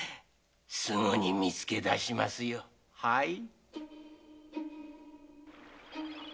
すぐに見つけだしますよはい。